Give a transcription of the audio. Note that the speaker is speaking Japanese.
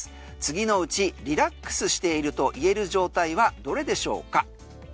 次のうちリラックスしていると言える状態はどれでしょうか？